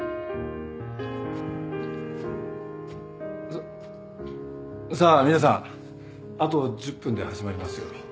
さっさあ皆さんあと１０分で始まりますよ。